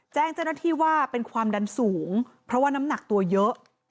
แจ้งเจ้าหน้าที่ว่าเป็นความดันสูงเพราะว่าน้ำหนักตัวเยอะ